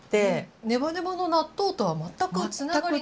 ネバネバの納豆とは全くつながりなく。